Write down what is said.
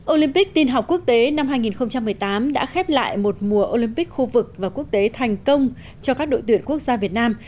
olympic tin học quốc tế năm hai nghìn một mươi tám đã khép lại một mùa olympic khu vực và quốc tế thành công cho các đội tuyển quốc gia việt nam